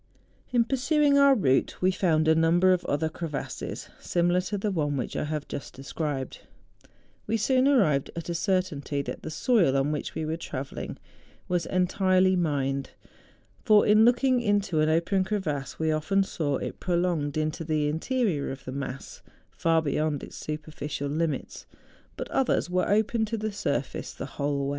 In pursuing our route we found a number of other crevasses similar to the one which I have just described; we soon arrived at a certainty that the soil on which we were travelling was entirely mined; for, in looking into an open crevasse, we often saw it prolonged into the interior of the mass, far beyond its superficial limits; but others were open to the surface the whole wa)'.